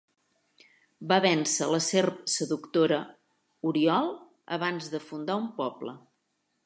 Va vèncer la serp seductora Oriol abans de fundar un poble.